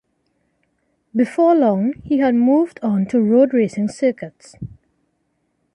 Before long, he had moved on to road racing circuits.